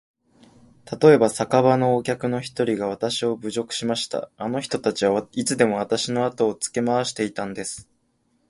たとえば、酒場のお客の一人がわたしを侮辱しました。あの人たちはいつでもわたしのあとをつけ廻していたんです。